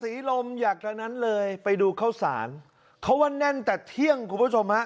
สีลมอยากดังนั้นเลยไปดูข้าวสารเขาว่าแน่นแต่เที่ยงคุณผู้ชมฮะ